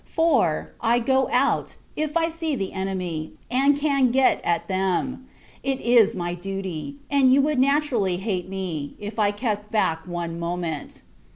For, I go out; [if] I see the enemy, and can get at them, it is my duty: and you would naturally hate me, if I kept back one moment.